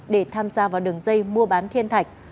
để tham gia vào đường dây mua bán thiên thạch